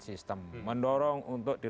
sistem mendorong untuk di